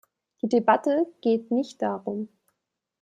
Die Debatte geht nicht darum.